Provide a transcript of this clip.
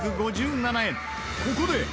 ここで。